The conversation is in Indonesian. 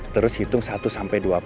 terus hitung satu sampai dua puluh